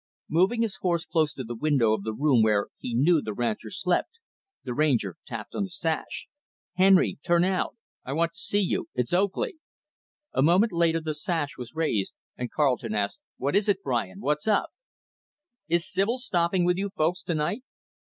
Moving his horse close to the window of the room where he knew the rancher slept, the Ranger tapped on the sash. "Henry, turn out; I want to see you; it's Oakley." A moment later the sash was raised and Carleton asked, "What is it, Brian? What's up?" "Is Sibyl stopping with you folks, to night?"